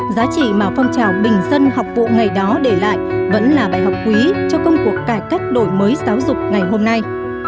giá trị mà phong trào bình dân học vụ ngày đó để lại vẫn là bài học quý cho công cuộc cải cách đổi mới giáo dục ngày hôm nay